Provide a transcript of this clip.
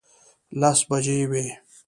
لس بجې وې.